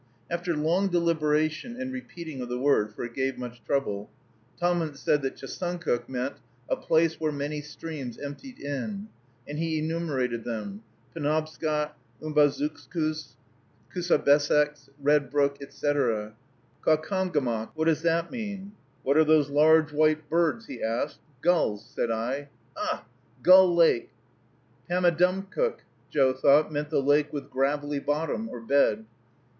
After long deliberation and repeating of the word, for it gave much trouble, Tahmunt said that Chesuncook meant a place where many streams emptied in (?), and he enumerated them, Penobscot, Umbazookskus, Cusabesex, Red Brook, etc. "Caucomgomoc, what does that mean?" "What are those large white birds?" he asked. "Gulls," said I. "Ugh! Gull Lake." Pammadumcook, Joe thought, meant the Lake with Gravelly Bottom or Bed.